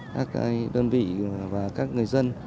các đơn vị và các người dân